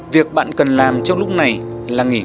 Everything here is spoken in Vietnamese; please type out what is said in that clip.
việc bạn cần làm trong lúc này là nghỉ